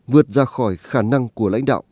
vượt ra khỏi khả năng của lãnh đạo